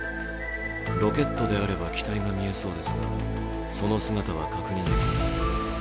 ロケットであれば機体が見えそうですが、その姿は確認できません。